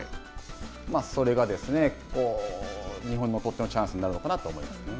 それが日本にとってのチャンスになるのかなと思いますね。